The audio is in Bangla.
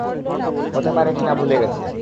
হতে পারে টিনা ভুলে গেছে।